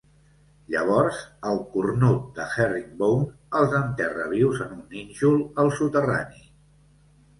Llavors, el cornut de Herringbone els enterra vius en un nínxol, al soterrani.